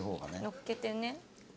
のっけてね。